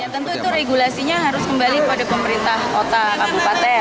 ya tentu itu regulasinya harus kembali pada pemerintah kota kabupaten